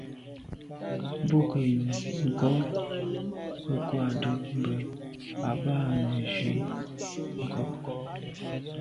Bú jə́ ŋgɔ́ gə́ kwáàdə́ mbə̄ à bá nə̀ zwí ŋkɔ́.